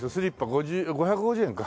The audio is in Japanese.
５０５５０円か。